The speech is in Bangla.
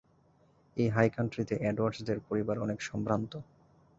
এই হাই কান্ট্রিতে এডওয়ার্ডস দের পরিবার অনেক সম্ভ্রান্ত।